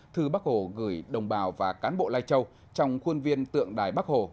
thư bắc hồ gửi đồng bào và cán bộ lai châu trong khuôn viên tượng đài bắc hồ